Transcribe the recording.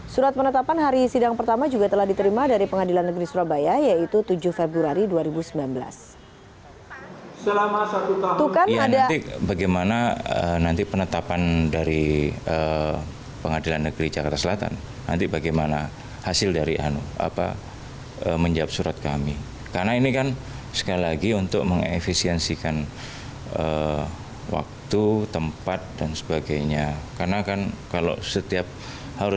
surat penetapan hari sidang pertama juga telah diterima dari pengadilan negeri surabaya yaitu tujuh februari dua ribu sembilan belas